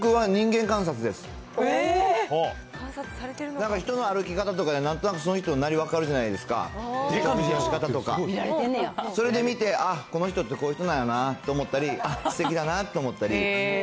なんか人の歩き方とか、なんとなくその人のなりが分かるじゃないですか。のしかたとか、それで見て、ああ、この人ってこういう人なんやなって思ったり、すてきだなと思ったり。